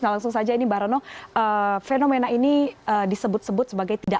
nah langsung saja ini mbak rono fenomena ini disebut sebut sebagai tidak